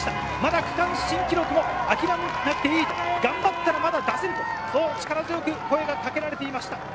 区間新記録も諦めなくていい、頑張ったらまた出せると力強く声がかけられていました。